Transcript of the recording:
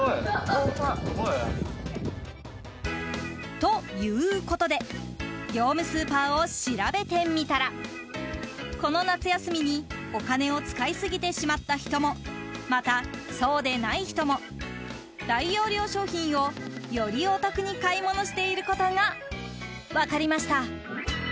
ということで業務スーパーを調べてみたらこの夏休みにお金を使い過ぎてしまった人もまた、そうでない人も大容量商品をよりお得に買い物していることが分かりました。